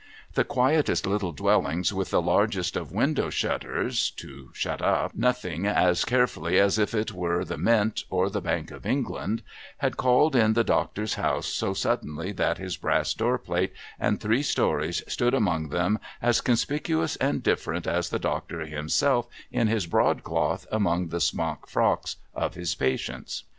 The quietest little dwellings with the largest of THE TRAVELLER AT THE PEAL OF BELLS 257 window shutters (to shut up Nothing as carefully as if it were the Mint, or the Bank of England) had called in the Doctor's house so suddenly, that his brass door plate and three stories stood among them as conspicuous and different as the Doctor himself in his broadcloth, among the smock frocks of his patients.